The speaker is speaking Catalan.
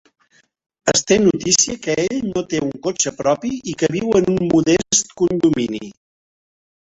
Es té notícia que ell no té un cotxe propi i que viu en un modest condomini.